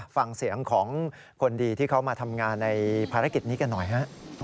ฟังเสียงของคนดีที่เขามาทำงานในภารกิจนี้กันหน่อยฮะ